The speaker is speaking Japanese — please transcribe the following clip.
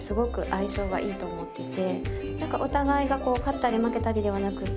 お互いがこう勝ったり負けたりではなくて。